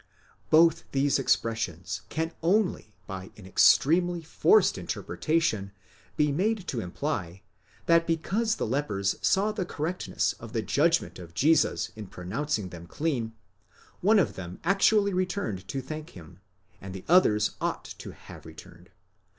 Both these expressions can only by an extremely forced interpretation be made to imply, that because the lepers saw the correctness of the judgment of Jesus in pronouncing them clean, one of them actually returned to thank him, and the others ought to have returned.